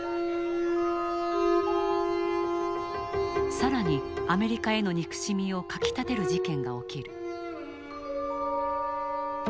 更にアメリカへの憎しみをかきたてる事件が起きる。